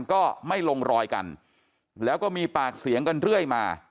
ก็ไม่ลงรอยกันแล้วก็มีปากเสียงกันเรื่อยมา